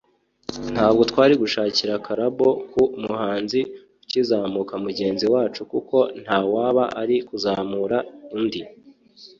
ntabwo twari gushakira callabo ku muhanzi ukizamuka mugenzi wacu kuko nta waba ari kuzamura undi